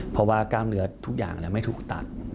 เพราะว่ากล้ามเนื้อทุกอย่างไม่ถูกตัด